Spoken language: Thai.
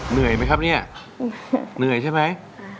เหนื่อยไหมครับเนี่ยเหนื่อยใช่ไหม